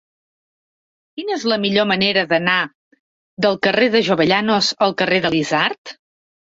Quina és la millor manera d'anar del carrer de Jovellanos al carrer de l'Isard?